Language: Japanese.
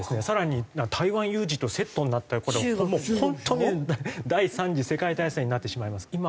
更に台湾有事とセットになったらこれは本当に第３次世界大戦になってしまいます。